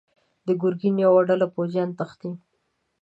د ګرګين يوه ډله پوځيان تښتي.